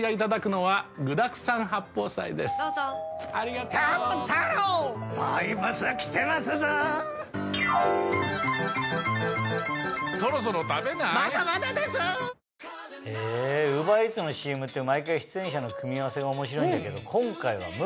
ＵｂｅｒＥａｔｓのＣＭって毎回出演者の組み合わせが面白いんだけど今回は。